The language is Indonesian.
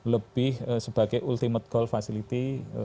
lebih sebagai ultimate goal facility